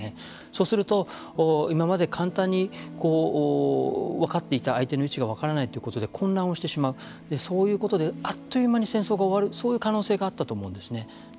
そうすると、今まで簡単に分かっていた相手の位置が分からないということで混乱をしてしまうそういうことであっという間に戦争が終わるそういう可能性があったと思うんですね。